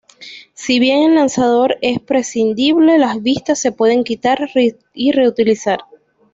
Si bien el lanzador es prescindible, las vistas se pueden quitar y reutilizar.